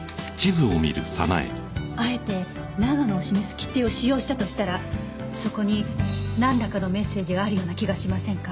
あえて長野を示す切手を使用したとしたらそこになんらかのメッセージがあるような気がしませんか？